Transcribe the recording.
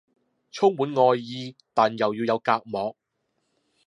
充滿愛意但又要有隔膜